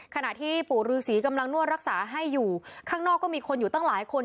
ขณะที่ปู่ฤษีกำลังนวดรักษาให้อยู่ข้างนอกก็มีคนอยู่ตั้งหลายคน